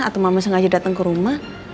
atau mama sengaja datang ke rumah